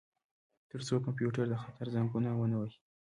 ترڅو کمپیوټر د خطر زنګونه ونه وهي